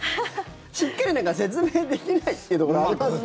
しっかり説明できないっていうところありますよね。